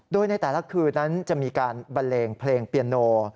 โดยในแต่ละคืนนั้นจะมีการบันเลงเพลงเปียโน